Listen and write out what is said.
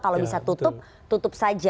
kalau bisa tutup tutup saja